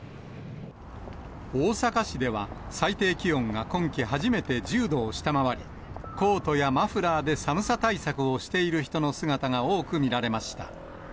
大阪市では、最低気温が今季初めて１０度を下回り、コートやマフラーで寒さ対策をしている人の姿が多く見られました。